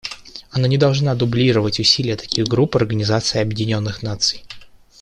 Она не должна дублировать усилия таких групп Организации Объединенных Наций.